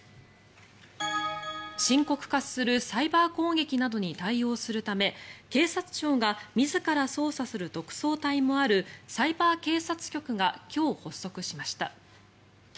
深刻化するサイバー攻撃などに対応するため警察庁が自ら捜査する特捜隊もあるサイバー警察局が今日、発足しました。